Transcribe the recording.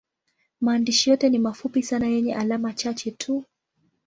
Maandishi yote ni mafupi sana yenye alama chache tu.